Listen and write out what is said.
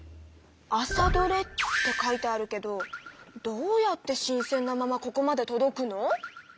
「朝どれ」って書いてあるけどどうやって新鮮なままここまでとどくの？